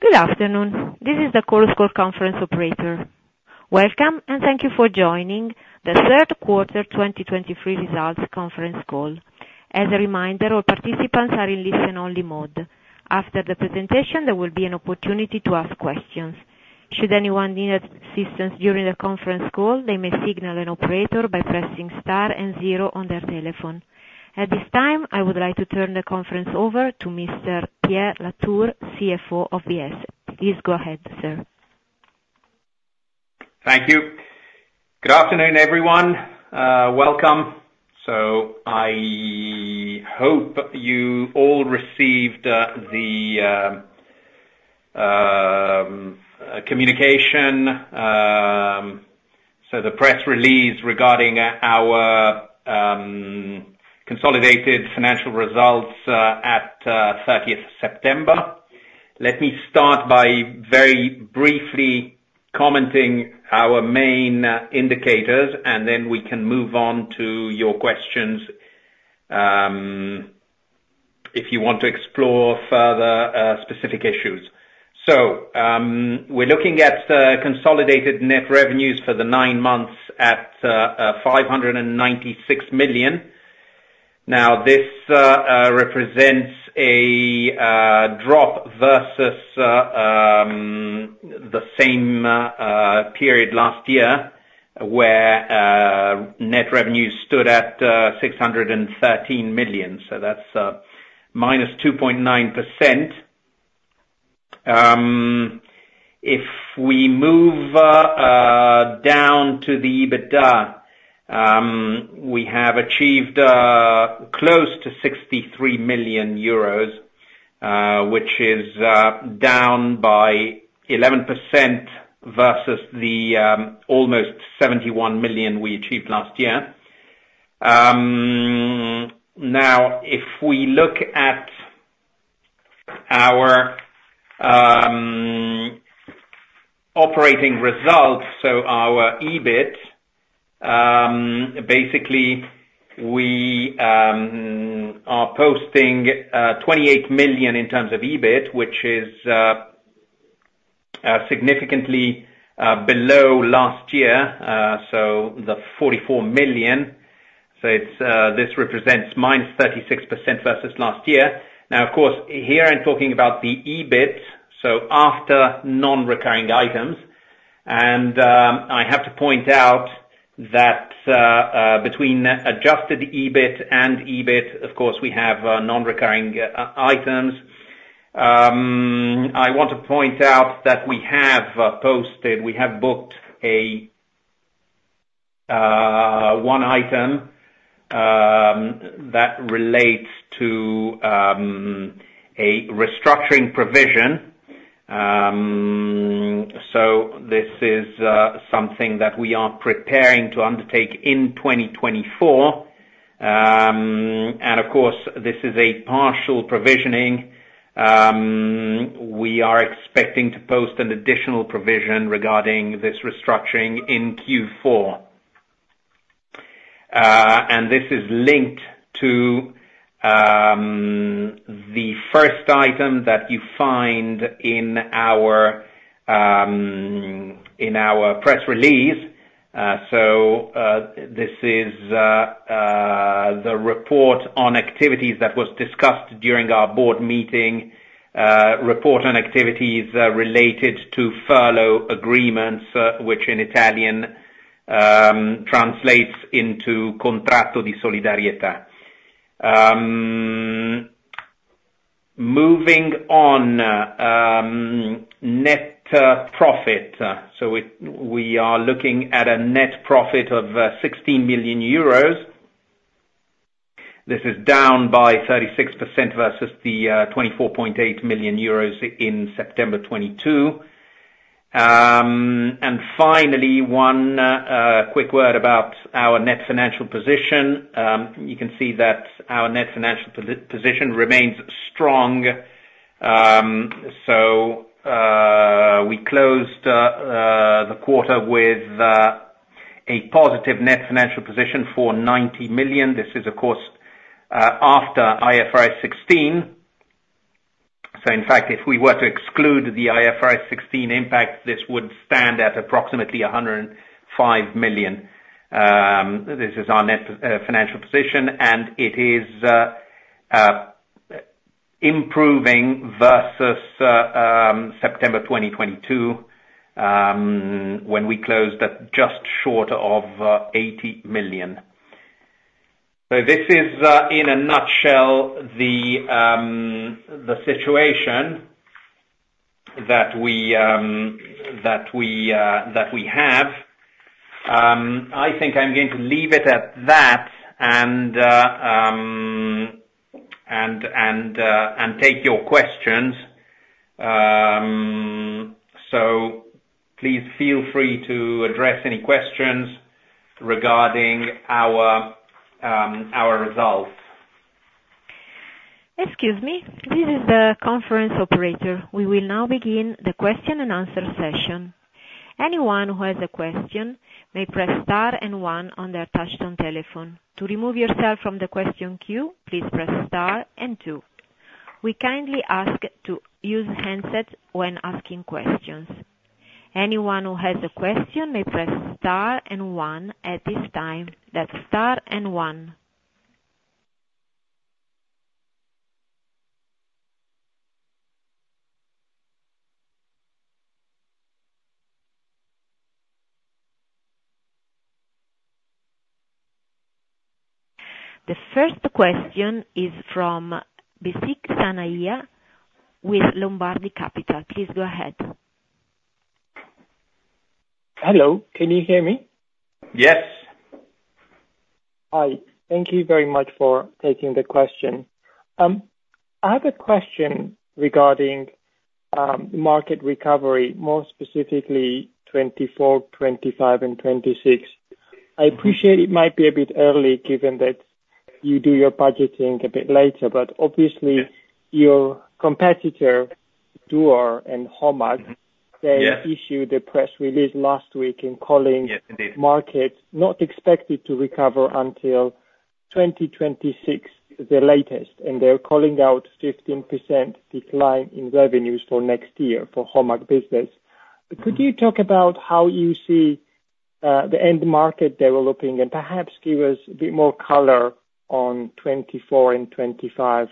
Good afternoon. This is the Chorus Call Conference operator. Welcome, and thank you for joining the third quarter twenty twenty-three results conference call. As a reminder, all participants are in listen only mode. After the presentation, there will be an opportunity to ask questions. Should anyone need assistance during the conference call, they may signal an operator by pressing star and zero on their telephone. At this time, I would like to turn the conference over to Mr. Pierre La Tour, CFO of Biesse. Please go ahead, sir. Thank you. Good afternoon, everyone. Welcome. So I hope you all received the communication, so the press release regarding our consolidated financial results at thirtieth September. Let me start by very briefly commenting our main indicators, and then we can move on to your questions, if you want to explore further specific issues. So we're looking at the consolidated net revenues for the nine months at 596 million. Now this represents a drop versus the same period last year, where net revenues stood at 613 million. So that's minus 2.9%. If we move down to the EBITDA, we have achieved close to 63 million euros, which is down by 11% versus the almost 71 million we achieved last year. Now, if we look at our operating results, so our EBIT, basically, we are posting 28 million in terms of EBIT, which is significantly below last year, so the 44 million. So it's this represents minus 36% versus last year. Now, of course, here I'm talking about the EBIT, so after non-recurring items. I have to point out that between adjusted EBIT and EBIT, of course, we have non-recurring items. I want to point out that we have posted, we have booked a one item that relates to a restructuring provision, so this is something that we are preparing to undertake in twenty twenty-four, and of course, this is a partial provisioning, we are expecting to post an additional provision regarding this restructuring in Q4, this is linked to the first item that you find in our press release, this is the report on activities that was discussed during our board meeting related to furlough agreements, which in Italian translates into contratto di solidarietà. Moving on, net profit. We are looking at a net profit of 16 million euros. This is down by 36% versus the 24.8 million euros in September 2022. And finally, one quick word about our net financial position. You can see that our net financial position remains strong. So we closed the quarter with a positive net financial position for 90 million. This is, of course, after IFRS 16. So in fact, if we were to exclude the IFRS 16 impact, this would stand at approximately 105 million. This is our net financial position, and it is improving versus September 2022, when we closed at just short of 80 million. So this is, in a nutshell, the situation that we have. I think I'm going to leave it at that and take your questions, so please feel free to address any questions regarding our results. Excuse me, this is the conference operator. We will now begin the question and answer session... Anyone who has a question may press star and one on their touchtone telephone. To remove yourself from the question queue, please press star and two. We kindly ask to use handsets when asking questions. Anyone who has a question may press star and one. At this time, that's star and one. The first question is from Besik Sanaia with Lombardi Capital. Please go ahead. Hello, can you hear me? Yes. Hi. Thank you very much for taking the question. I have a question regarding market recovery, more specifically 2024, 2025 and 2026. I appreciate it might be a bit early, given that you do your budgeting a bit later, but obviously- -your competitor, Dürr and HOMAG- Yes They issued a press release last week in calling. Yes, indeed markets, not expected to recover until 2026, the latest, and they're calling out 15% decline in revenues for next year for HOMAG business. Could you talk about how you see the end market developing and perhaps give us a bit more color on 2024 and 2025?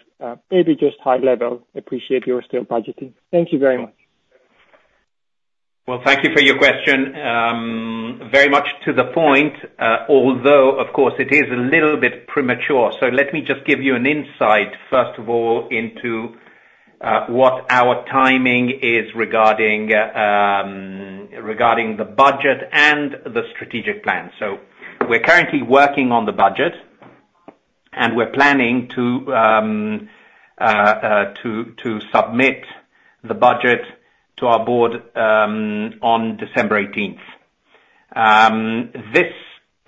Maybe just high level. Appreciate you're still budgeting. Thank you very much. Thank you for your question. Very much to the point, although of course it is a little bit premature. Let me just give you an insight, first of all, into what our timing is regarding the budget and the strategic plan. We're currently working on the budget, and we're planning to submit the budget to our board on December eighteenth. This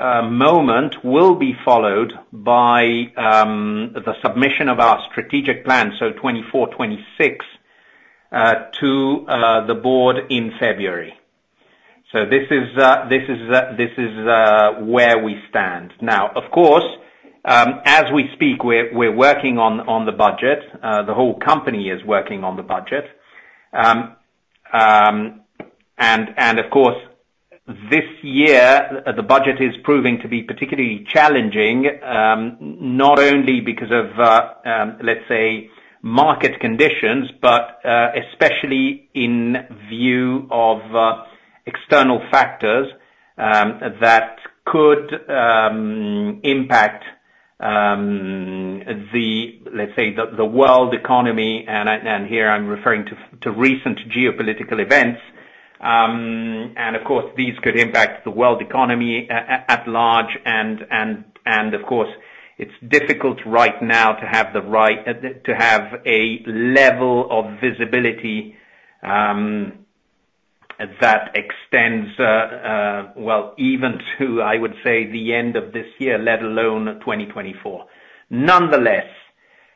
moment will be followed by the submission of our strategic plan, so twenty-four, twenty-six to the board in February. This is where we stand. Now, of course, as we speak, we're working on the budget. The whole company is working on the budget. Of course, this year, the budget is proving to be particularly challenging, not only because of, let's say, market conditions, but especially in view of, external factors, that could impact the... let's say, the world economy and of course, it's difficult right now to have the right, to have a level of visibility, that extends, well, even to, I would say, the end of this year, let alone twenty twenty-four. Nonetheless,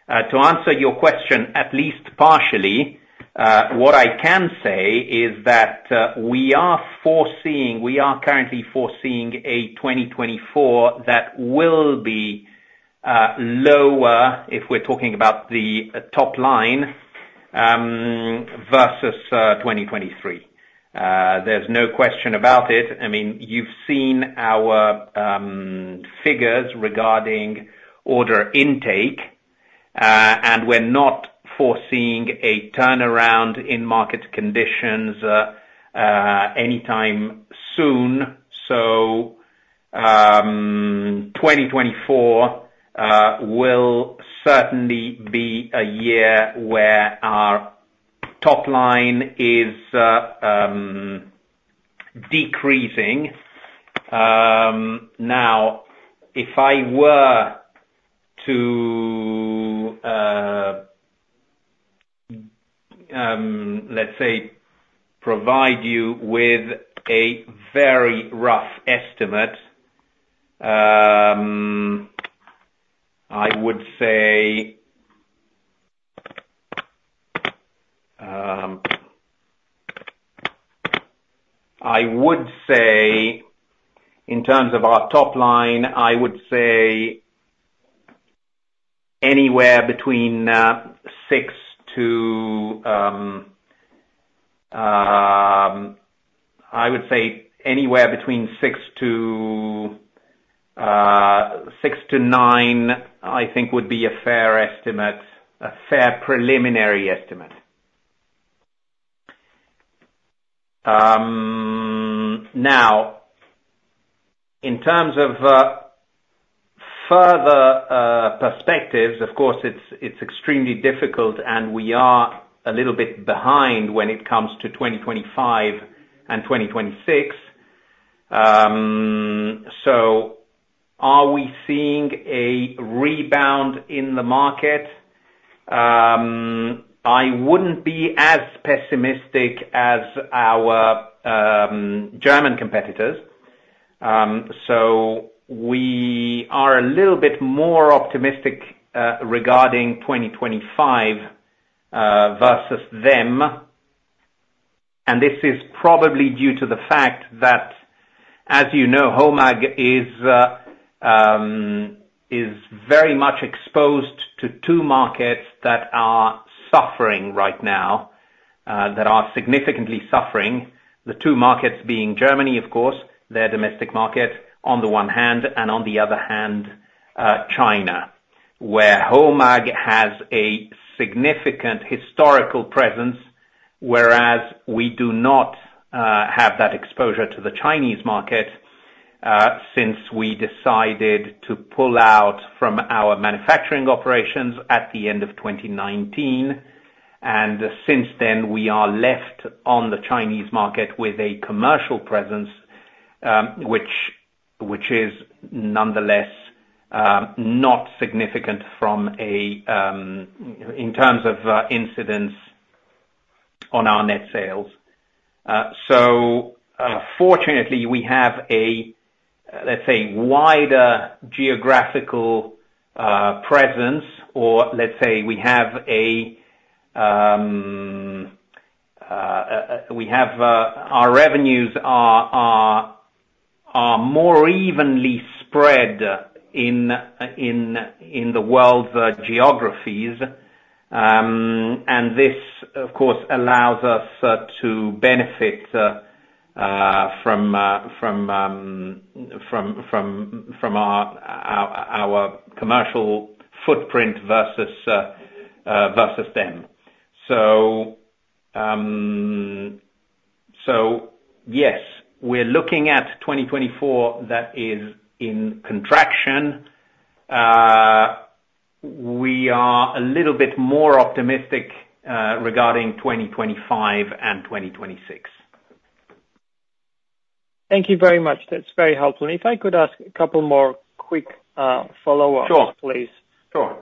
to answer your question, at least partially, what I can say is that, we are foreseeing, we are currently foreseeing a twenty twenty-four that will be, lower if we're talking about the top line, versus, twenty twenty-three. There's no question about it. I mean, you've seen our, figures regarding order intake, and we're not foreseeing a turnaround in market conditions, anytime soon. So, twenty twenty-four, will certainly be a year where our top line is, decreasing. Now, if I were to, let's say, provide you with a very rough estimate, I would say, ... I would say in terms of our top line, I would say anywhere between six to nine, I think would be a fair estimate, a fair preliminary estimate. Now, in terms of further perspectives, of course, it's extremely difficult, and we are a little bit behind when it comes to 2025 and 2026. So are we seeing a rebound in the market? I wouldn't be as pessimistic as our German competitors. So we are a little bit more optimistic regarding 2025 versus them, and this is probably due to the fact that, as you know, HOMAG is very much exposed to two markets that are suffering right now, that are significantly suffering. The two markets being Germany, of course, their domestic market on the one hand, and on the other hand, China, where HOMAG has a significant historical presence, whereas we do not have that exposure to the Chinese market since we decided to pull out from our manufacturing operations at the end of 2019, and since then, we are left on the Chinese market with a commercial presence, which is nonetheless not significant from a in terms of incidence on our net sales. So fortunately, we have a, let's say, wider geographical presence, or let's say we have our revenues are more evenly spread in the world's geographies. And this, of course, allows us to benefit from our commercial footprint versus them. So yes, we're looking at 2024, that is in contraction. We are a little bit more optimistic regarding 2025 and 2026. Thank you very much. That's very helpful. If I could ask a couple more quick follow-ups- Sure. - please. Sure.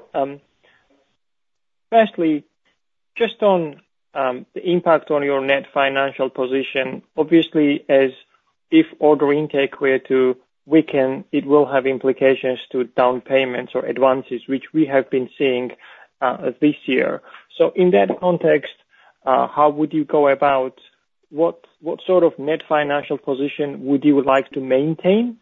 Firstly, just on the impact on your net financial position. Obviously, as if order intake were to weaken, it will have implications to down payments or advances, which we have been seeing this year. So in that context, how would you go about... What sort of net financial position would you like to maintain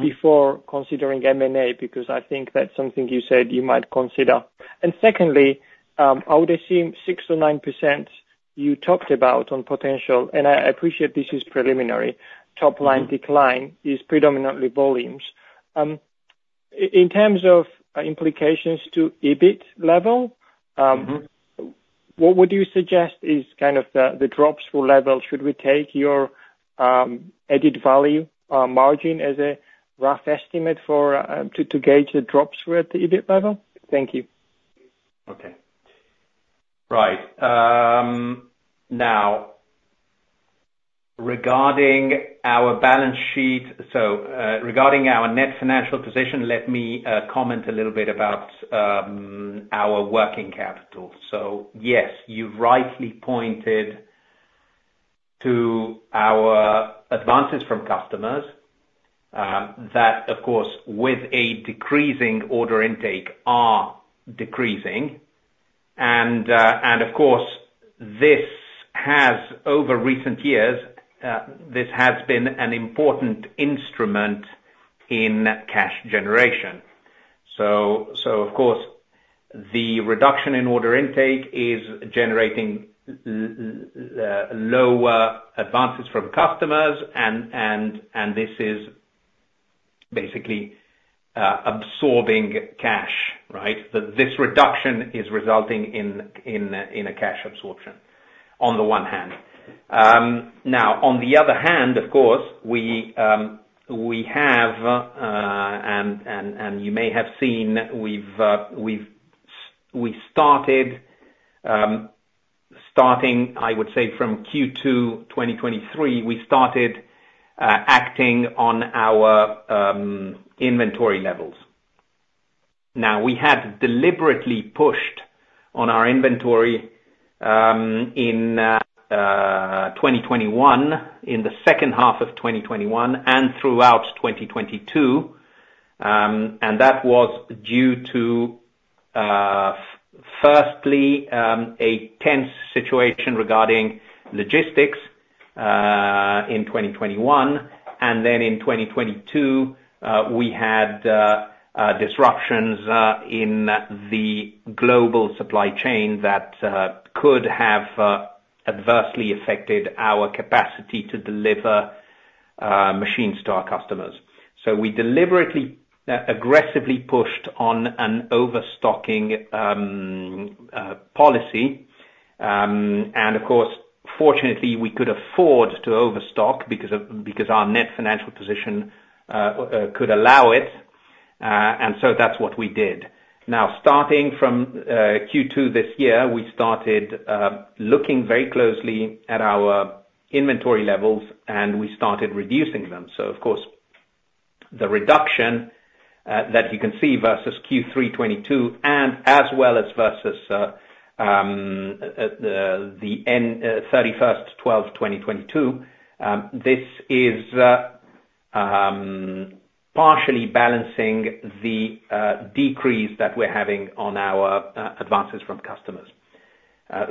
before considering M&A? Because I think that's something you said you might consider. And secondly, how would they seem 6%-9% you talked about on potential, and I appreciate this is preliminary. Top line decline is predominantly volumes. In terms of implications to EBIT level, Mm-hmm. What would you suggest is kind of the drop to level? Should we take your added value margin as a rough estimate for to gauge the drops were at the EBIT level? Thank you. Okay. Right. Now, regarding our balance sheet, so, regarding our net financial position, let me comment a little bit about our working capital. So yes, you rightly pointed to our advances from customers, that of course, with a decreasing order intake, are decreasing. And of course, this has over recent years, this has been an important instrument in cash generation. So of course, the reduction in order intake is generating lower advances from customers, and this is basically absorbing cash, right? This reduction is resulting in a cash absorption on the one hand. Now, on the other hand, of course, we have and you may have seen, we've started, I would say from Q2 2023, we started acting on our inventory levels. Now, we had deliberately pushed on our inventory in 2021, in the second half of 2021, and throughout 2022. And that was due to, firstly, a tense situation regarding logistics in 2021, and then in 2022, we had disruptions in the global supply chain that could have adversely affected our capacity to deliver machines to our customers. So we deliberately aggressively pushed on an overstocking policy. And of course, fortunately, we could afford to overstock because our net financial position could allow it, and so that's what we did. Now, starting from Q2 this year, we started looking very closely at our inventory levels, and we started reducing them. So of course the reduction that you can see versus Q3 2022, and as well as versus the end 12/31/22, this is partially balancing the decrease that we're having on our advances from customers.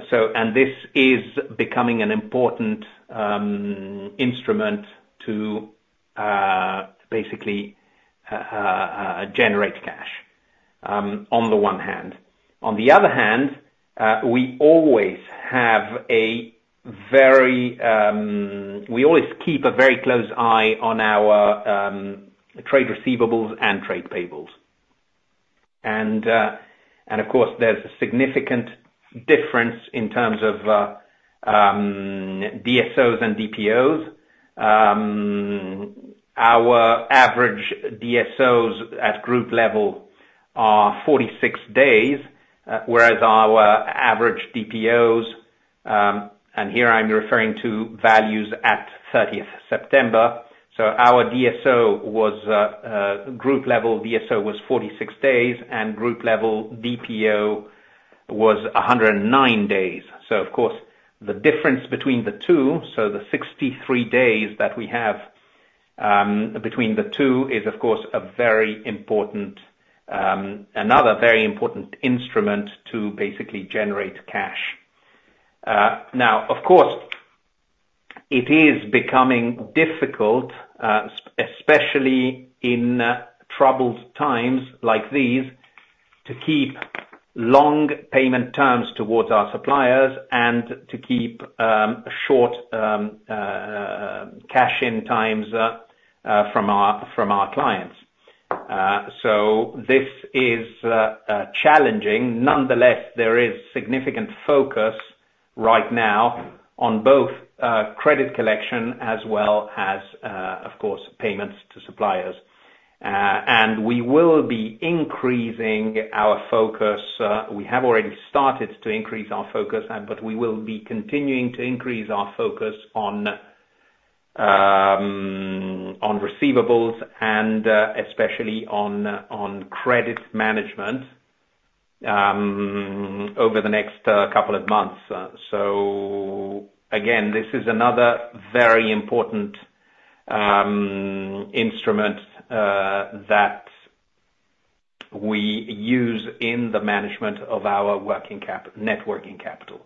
So, and this is becoming an important instrument to basically generate cash on the one hand. On the other hand, we always keep a very close eye on our trade receivables and trade payables. Of course, there's a significant difference in terms of DSOs and DPOs. Our average DSOs at group level are 46 days, whereas our average DPOs, and here I'm referring to values at thirtieth September, so group level DSO was 46 days, and group level DPO was 109 days. Of course, the difference between the two, the 63 days that we have between the two, is of course a very important, another very important instrument to basically generate cash. Now, of course, it is becoming difficult, especially in troubled times like these, to keep long payment terms towards our suppliers and to keep short cash-in times from our clients. This is challenging. Nonetheless, there is significant focus right now on both, credit collection as well as, of course, payments to suppliers. And we will be increasing our focus, we have already started to increase our focus, but we will be continuing to increase our focus on, on receivables and, especially on, on credit management, over the next, couple of months. So again, this is another very important, instrument, that we use in the management of our net working capital.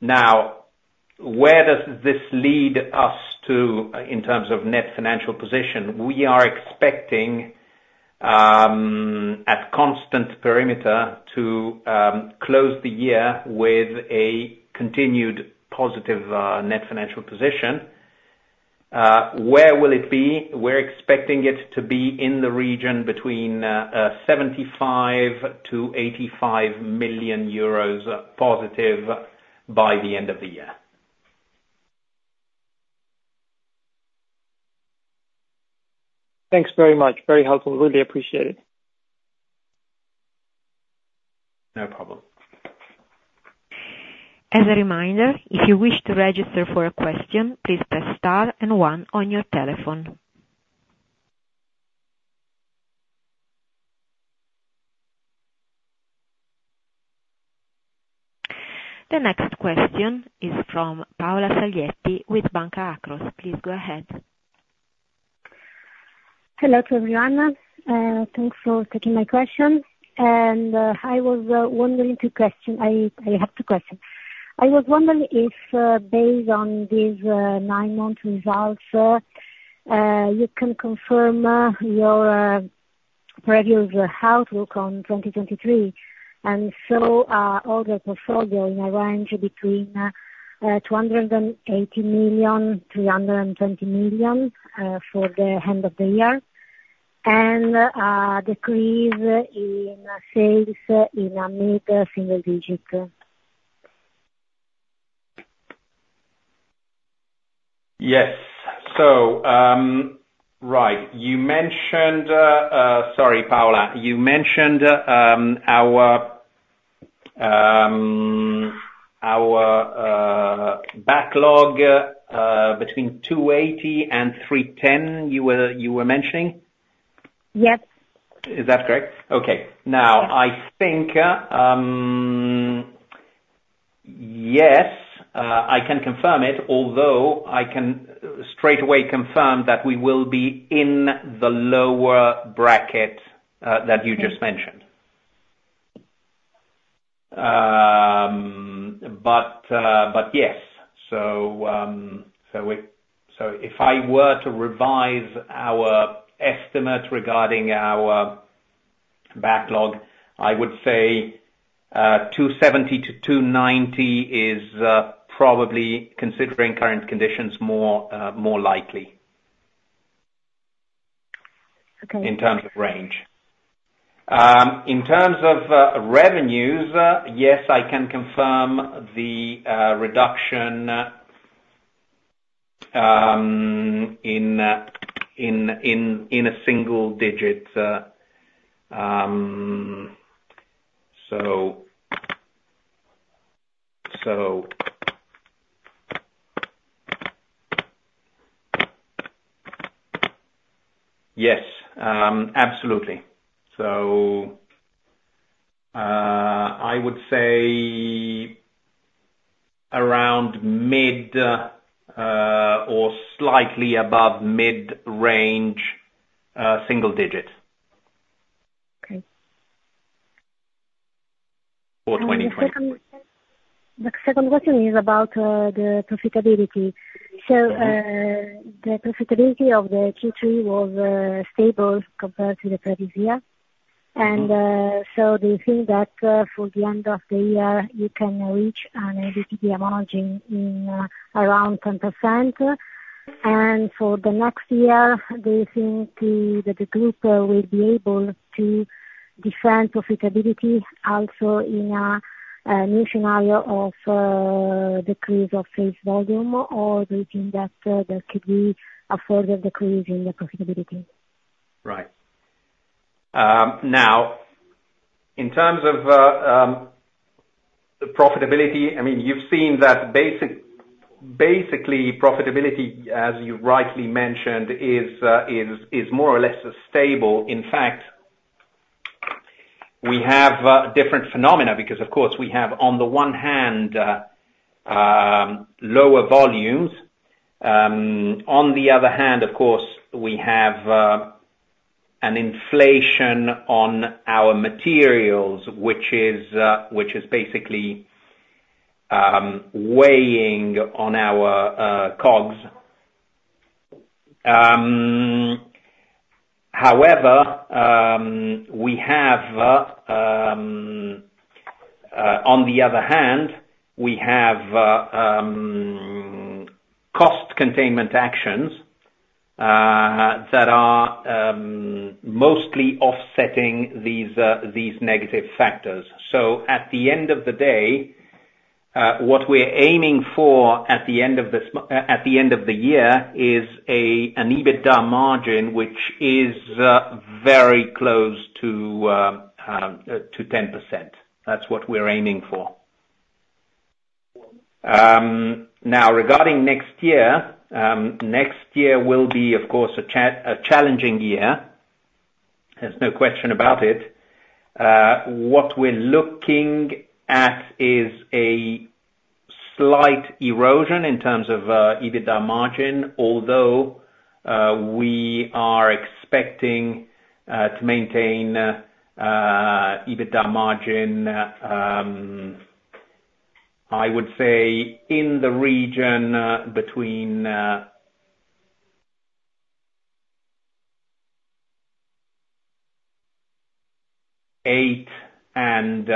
Now, where does this lead us to in terms of net financial position? We are expecting, at constant perimeter, to, close the year with a continued positive, net financial position. Where will it be? We're expecting it to be in the region between 75-85, positive by the end of the year. Thanks very much. Very helpful. Really appreciate it. No problem. As a reminder, if you wish to register for a question, please press star and one on your telephone. The next question is from Paola Saglietti with Banca Akros. Please go ahead. Hello to everyone. Thanks for taking my question, and I have two questions. I was wondering if, based on these nine-month results, you can confirm your previous outlook on 2023, and so, order portfolio in a range between 280 million and 320 million for the end of the year, and decrease in sales in a mid-single-digit? Yes. So, right. You mentioned, sorry, Paola, you mentioned our backlog between 280 and 310. You were mentioning? Yes. Is that correct? Okay. Yes. Now, I think, yes, I can confirm it, although I can straightaway confirm that we will be in the lower bracket that you just mentioned, but yes. If I were to revise our estimate regarding our backlog, I would say 270-290 is probably, considering current conditions, more likely. Okay. In terms of range. In terms of revenues, yes, I can confirm the reduction in a single digit. So yes, absolutely. So, I would say around mid or slightly above mid-range single digit. Okay. For 2020. The second question is about the profitability. So The profitability of the Q3 was stable compared to the previous year. Mm-hmm. Do you think that for the end of the year you can reach an EBITDA margin in around 10%? For the next year do you think the group will be able to defend profitability also in a new scenario of decrease of sales volume or do you think that there could be a further decrease in the profitability? Right. Now, in terms of the profitability, I mean, you've seen that basically, profitability, as you rightly mentioned, is more or less stable. In fact, we have different phenomena, because of course, we have, on the one hand, lower volumes, on the other hand, of course, we have an inflation on our materials, which is basically weighing on our COGS. However, on the other hand, we have cost containment actions that are mostly offsetting these negative factors. So at the end of the day, what we're aiming for, at the end of the year, is an EBITDA margin, which is very close to 10%. That's what we're aiming for. Now, regarding next year, next year will be, of course, a challenging year. There's no question about it. What we're looking at is a slight erosion in terms of EBITDA margin, although we are expecting to maintain EBITDA margin, I would say, in the region between 8% and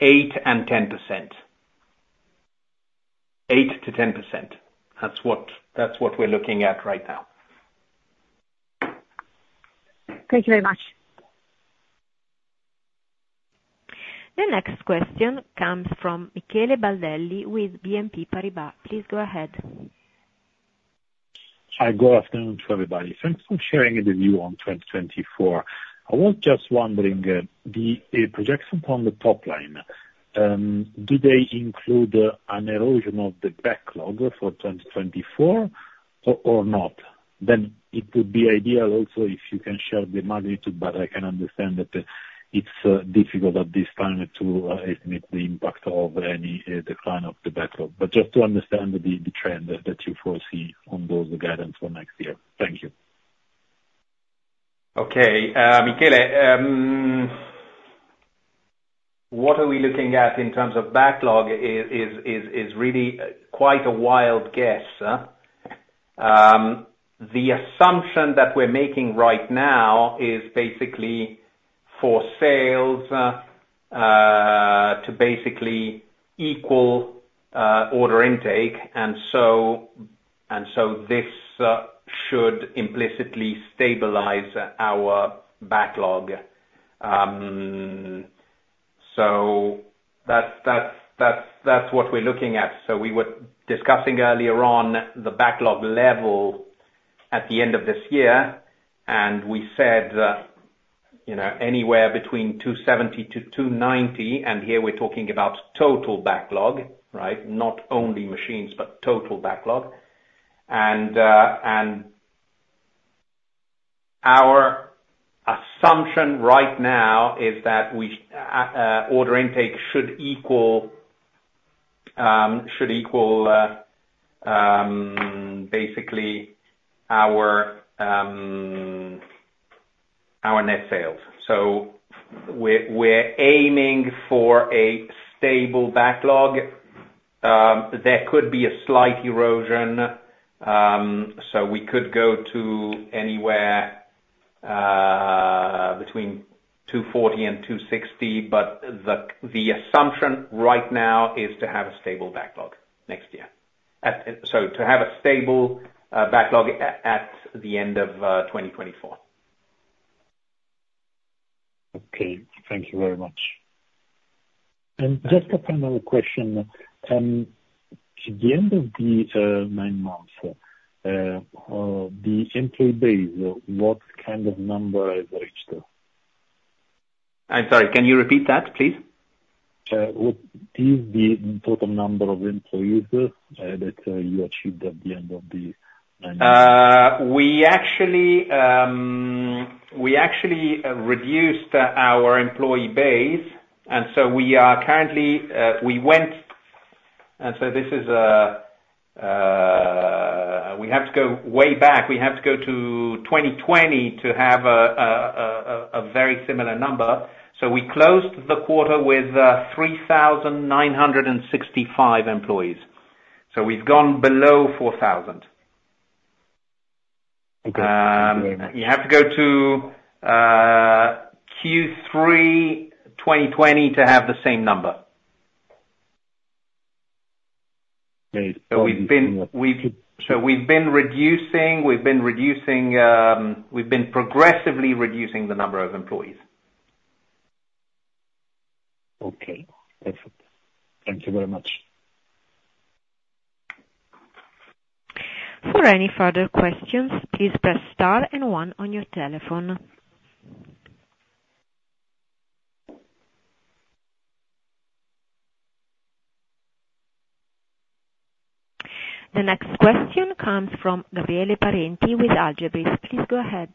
10%. 8%-10%, that's what we're looking at right now. Thank you very much. The next question comes from Michele Baldelli with BNP Paribas. Please go ahead. Hi, good afternoon to everybody. Thanks for sharing the view on twenty twenty-four. I was just wondering, the projection on the top line, do they include an erosion of the backlog for twenty twenty-four, or not? Then it would be ideal also if you can share the magnitude, but I can understand that it's difficult at this time to estimate the impact of any decline of the backlog. But just to understand the trend that you foresee on those guidance for next year. Thank you. Okay, Michele, what are we looking at in terms of backlog is really quite a wild guess. The assumption that we're making right now is basically for sales to basically equal order intake, and so this should implicitly stabilize our backlog. So that's what we're looking at. We were discussing earlier on the backlog level at the end of this year, and we said, you know, anywhere between 270 to 290, and here we're talking about total backlog, right? Not only machines, but total backlog. Our assumption right now is that order intake should equal basically our net sales. We're aiming for a stable backlog. There could be a slight erosion, so we could go to anywhere between two forty and two sixty, but the assumption right now is to have a stable backlog next year. So to have a stable backlog at the end of twenty twenty-four. Okay, thank you very much. Just a final question.... At the end of the nine months, the employee base, what kind of number has reached? I'm sorry, can you repeat that, please? What is the total number of employees that you achieved at the end of the nine months? We actually reduced our employee base, and so we are currently. And so this is, we have to go way back. We have to go to 2020 to have a very similar number. So we closed the quarter with 3,965 employees, so we've gone below 4,000. Okay. Thank you very much. You have to go to Q3 2020 to have the same number. Right. We've been progressively reducing the number of employees. Okay. Perfect. Thank you very much. For any further questions, please press star and one on your telephone. The next question comes from Gabriele Parenti with Algebris. Please go ahead.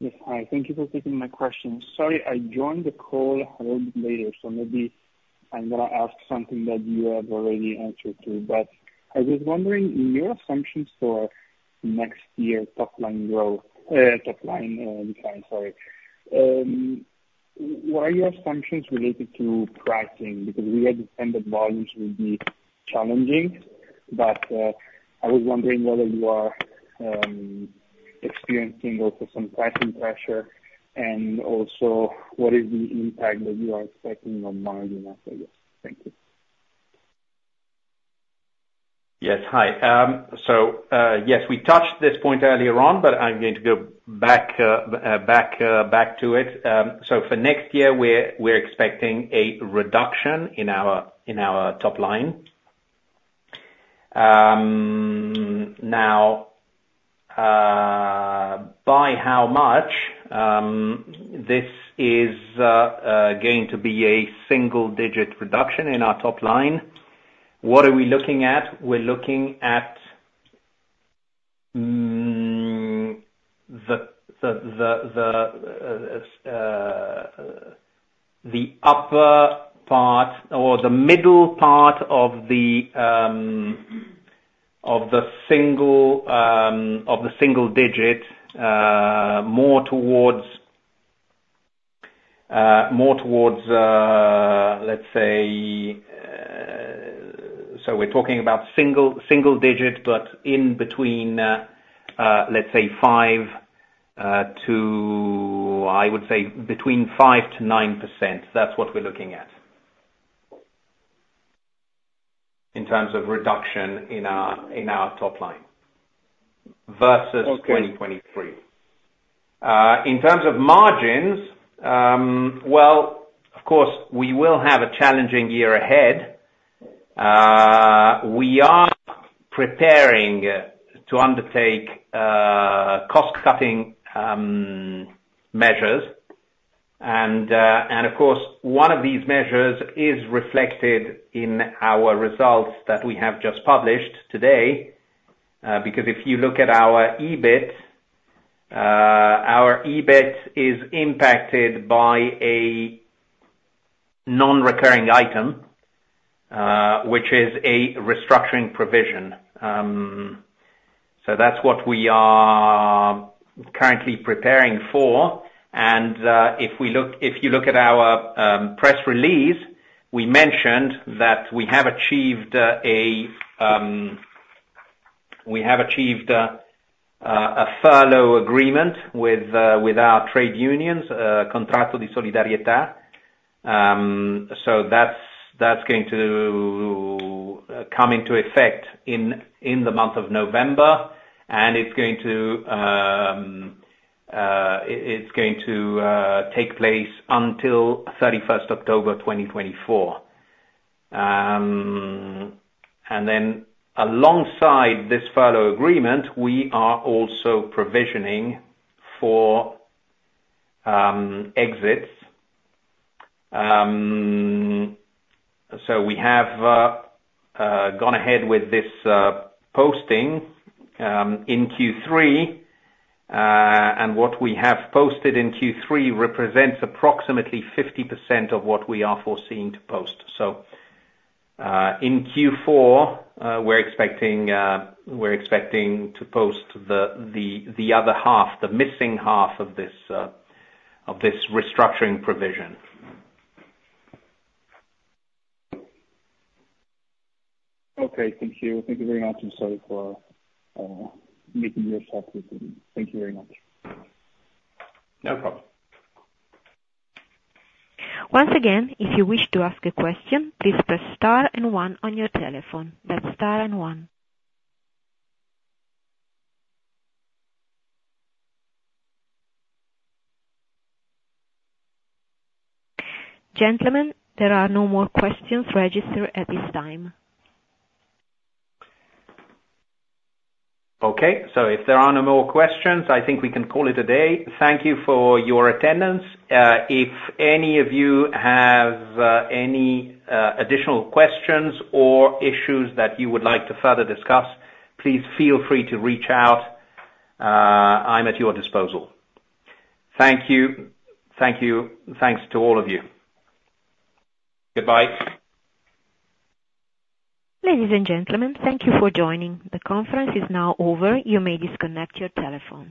Yes. Hi, thank you for taking my question. Sorry, I joined the call a little bit later, so maybe I'm gonna ask something that you have already answered to. But I was wondering, in your assumptions for next year's top line growth, top line, sorry. Why are your assumptions related to pricing? Because we understand that volumes will be challenging, but I was wondering whether you are experiencing also some pricing pressure, and also what is the impact that you are expecting on margin after this? Thank you. Yes. Hi, so yes, we touched this point earlier on, but I'm going to go back to it. So for next year, we're expecting a reduction in our top line. Now, by how much? This is going to be a single digit reduction in our top line. What are we looking at? We're looking at the upper part or the middle part of the single digit, more towards, let's say. So we're talking about single digit, but in between, let's say five to I would say between 5%-9%. That's what we're looking at, in terms of reduction in our top line versus 2023. Okay. In terms of margins, well, of course, we will have a challenging year ahead. We are preparing to undertake cost cutting measures. And of course, one of these measures is reflected in our results that we have just published today. Because if you look at our EBIT, our EBIT is impacted by a non-recurring item, which is a restructuring provision. So that's what we are currently preparing for. If you look at our press release, we mentioned that we have achieved a furlough agreement with our trade unions, Contratto di solidarietà. So that's going to come into effect in the month of November, and it's going to take place until thirty-first October 2024. And then alongside this furlough agreement, we are also provisioning for exits. So we have gone ahead with this posting in Q3. And what we have posted in Q3 represents approximately 50% of what we are foreseeing to post. So in Q4, we're expecting to post the other half, the missing half of this restructuring provision. Okay. Thank you. Thank you very much, and sorry for making you repeat. Thank you very much. No problem. Once again, if you wish to ask a question, please press star and one on your telephone. That's star and one. Gentlemen, there are no more questions registered at this time. Okay. So if there are no more questions, I think we can call it a day. Thank you for your attendance. If any of you have any additional questions or issues that you would like to further discuss, please feel free to reach out. I'm at your disposal. Thank you. Thank you. Thanks to all of you. Goodbye. Ladies and gentlemen, thank you for joining. The conference is now over. You may disconnect your telephone.